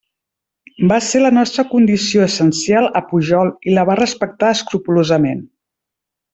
Va ser la nostra condició essencial a Pujol i la va respectar escrupolosament.